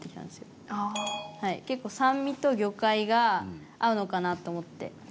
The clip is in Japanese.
結構酸味と魚介が合うのかなと思って。